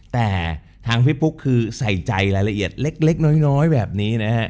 แต่ทางพี่ปุ๊กคือใส่ใจรายละเอียดเล็กน้อยแบบนี้นะฮะ